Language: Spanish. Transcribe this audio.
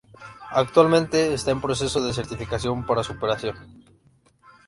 Actualmente está en proceso de certificación para su operación.